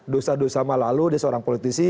dosa dosa malalu dia seorang politisi